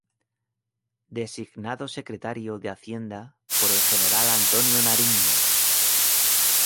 Designado Secretario de Hacienda por el general Antonio Nariño.